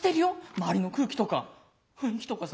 周りの空気とか雰囲気とかさ。